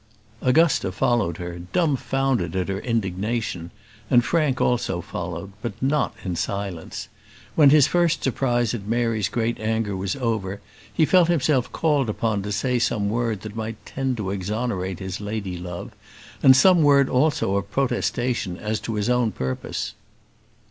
Augusta followed her, dumfounded at her indignation; and Frank also followed, but not in silence. When his first surprise at Mary's great anger was over, he felt himself called upon to say some word that might tend to exonerate his lady love; and some word also of protestation as to his own purpose.